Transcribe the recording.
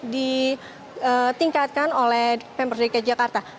ditingkatkan oleh pemprov dki jakarta